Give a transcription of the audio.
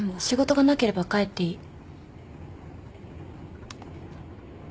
仕事がなければ帰っていい。